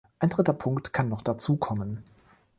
Ein dritter Punkt kann noch dazukommen.